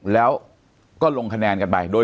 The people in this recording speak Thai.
แล้วก็ลงคะแนนกันไปโดย